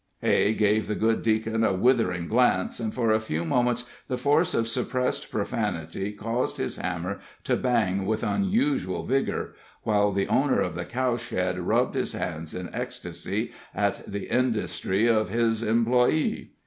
Hay gave the good Deacon a withering glance, and for a few moments the force of suppressed profanity caused his hammer to bang with unusual vigor, while the owner of the cow shed rubbed his hands in ecstasy at the industry of his employe.